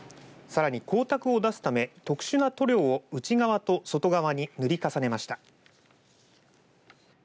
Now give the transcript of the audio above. さらに光沢を出すため特殊な塗料を内側と外側に塗り重ねました。